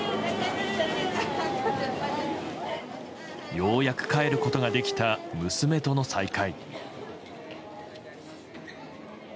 ようやく帰ることができた娘との再会。